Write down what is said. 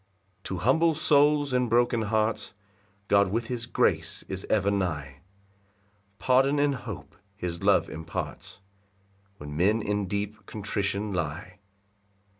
4 To humble souls and broken hearts God with his grace is ever nigh; Pardon and hope his love imparts When men in deep contrition lie.